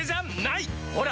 ほら！